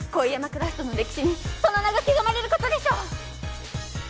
クラスタの歴史にその名が刻まれることでしょう！